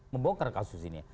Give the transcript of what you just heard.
membongkar kasus ini